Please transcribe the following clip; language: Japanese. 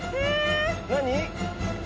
何？